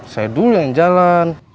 saya dulu yang jalan